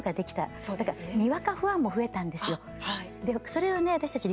それはね、私たち